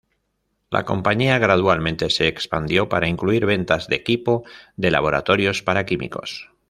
La compañía gradualmente se expandió para incluir ventas de equipo de laboratorio para químicos.